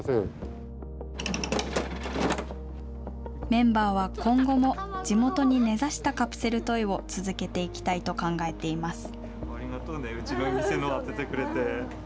メンバーは今後も地元に根ざしたカプセルトイを続けていきたいと考えています。